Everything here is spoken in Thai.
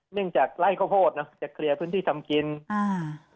จากไล่ข้าวโพดเนอะจะเคลียร์พื้นที่ทำกินอ่า